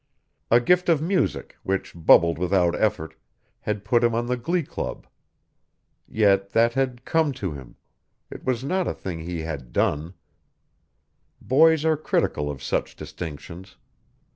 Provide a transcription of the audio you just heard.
A gift of music, which bubbled without effort, had put him on the Glee Club. Yet that had come to him; it was not a thing he had done; boys are critical of such distinctions.